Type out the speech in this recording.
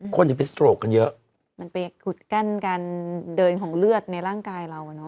คนถึงไปสโตรกกันเยอะมันไปขุดกั้นการเดินของเลือดในร่างกายเราอ่ะเนอ